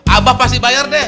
abah pasti bayar deh